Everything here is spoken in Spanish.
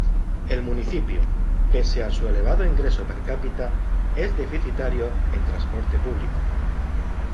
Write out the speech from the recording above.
El municipio, pese a su elevado ingreso per cápita, es deficitario en transporte público.